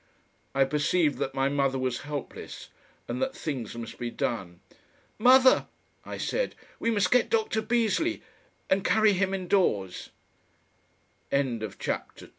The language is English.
I perceived that my mother was helpless and that things must be done. "Mother!" I said, "we must get Doctor Beaseley, and carry him indoors." CHAPTER THE THIRD ~~ SCHOLASTIC